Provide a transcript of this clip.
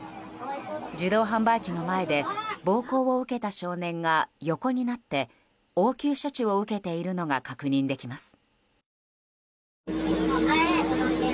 自動販売機の前で暴行を受けた少年が横になって応急処置を受けているのが確認できます。